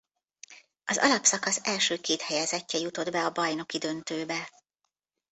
Az alapszakasz első két helyezettje jutott be a bajnoki döntőbe.